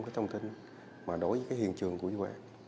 cái thông tin mà đối với cái hiện trường của vụ án